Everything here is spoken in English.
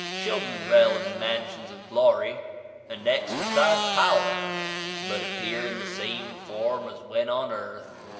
Children dwell in the mansions of glory and exercise power, but appear in the same form as when on earth.